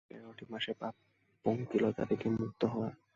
দীর্ঘ এগারোটি মাসের পাপ-পঙ্কিলতা থেকে মুক্ত হওয়ার অপূর্ব সুযোগ পবিত্র রমজান।